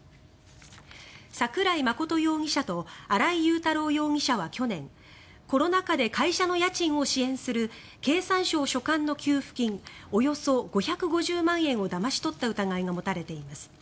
桜井真容疑者と新井雄太郎容疑者は去年コロナ禍で会社の家賃を支援する経産省所管の給付金およそ５５０万円をだまし取った疑いが持たれています。